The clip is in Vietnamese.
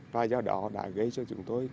và do đó đã gây cho chúng tôi